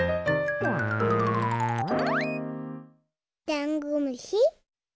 ダンゴムシ。